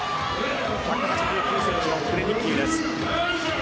１８９ｃｍのクレニッキーです。